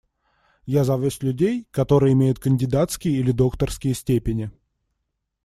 Я завез людей, которые имеют кандидатские или докторские степени.